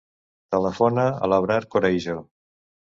Telefona a l'Abrar Cereijo.